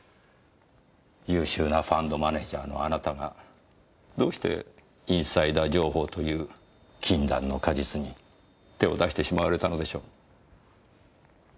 優秀なファンドマネージャーのあなたがどうしてインサイダー情報という禁断の果実に手を出してしまわれたのでしょう？